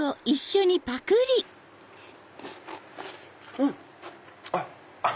うん！あっ。